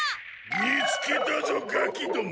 見つけたぞガキども。